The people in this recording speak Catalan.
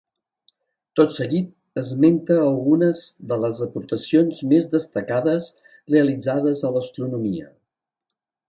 Tot seguit esmente algunes de les aportacions més destacades realitzades a l'Astronomia